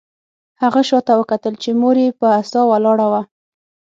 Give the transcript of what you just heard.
هغه شاته وکتل چې مور یې په عصا ولاړه وه